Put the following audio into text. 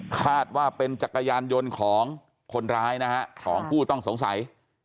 คาดว่าเป็นจักรยานยนต์ของคนร้ายนะฮะของผู้ต้องสงสัย